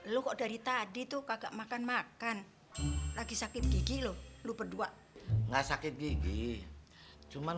lu kok dari tadi tuh kagak makan makan lagi sakit gigi lu lu berdua enggak sakit gigi cuman